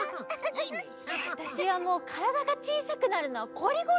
わたしはもうからだがちいさくなるのはこりごりだよ。